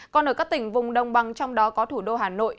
còn ở các tỉnh vùng đông băng trong đó có thủ đô hà nội